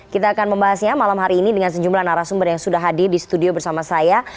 kita akan membahasnya malam hari ini dengan sejumlah narasumber yang sudah hadir di studio bersama saya